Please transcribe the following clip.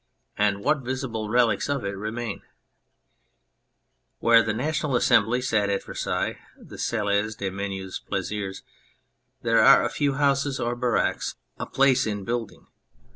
And what visible relics of it remain ? Where the National Assembly sat at Versailles, the Salle des Menus Plaisirs, there are a few houses or barracks, a place in building.